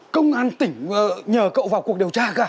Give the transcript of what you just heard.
công an tỉnh nhờ cậu vào cuộc điều tra cơ à